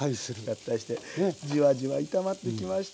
合体してじわじわ炒まってきました。